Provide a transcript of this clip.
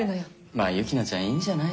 まぁユキナちゃんいいんじゃない？